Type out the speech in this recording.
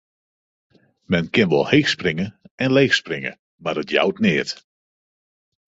Men kin wol heech springe en leech springe, mar it jout neat.